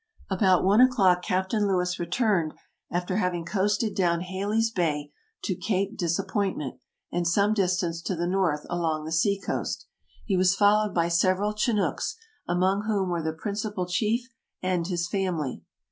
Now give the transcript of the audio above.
"About one o'clock Captain Lewis returned, after hav ing coasted down Haley's Bay to Cape Disappointment, and some distance to the north, along the sea coast. He was followed by several Chinnooks, among whom were the principal chief and his family.